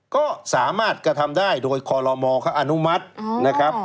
ก็สามารถกระทำได้โดยคลอร์โรมอค์อานุมัติ